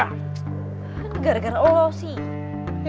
hah gara gara allah sih